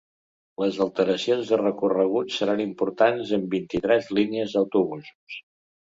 Les alteracions de recorregut seran importants en vint-i-tres línies d’autobusos.